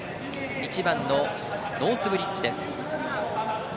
１番のノースブリッジです。